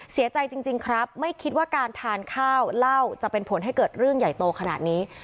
เสียใจจริงครับไม่คิดว่าการทานข้าวเล่าจะเป็นผลให้เกิดเรื่องใหญ่โตขนาดนี้